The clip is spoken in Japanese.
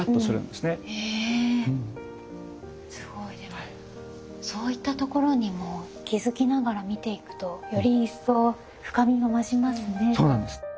でもそういったところにも気付きながら見ていくとより一層深みが増しますね。